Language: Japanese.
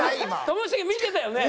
ともしげ見てたよね？